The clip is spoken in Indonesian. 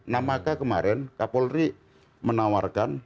nah maka kemarin kapolri menawarkan